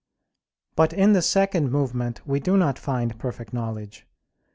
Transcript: But in the second movement we do not find perfect knowledge.